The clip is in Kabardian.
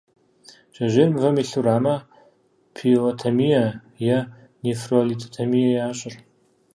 Жьэжьейм мывэ илъурамэ, пиелотомие е нефролитотомие ящӏыр.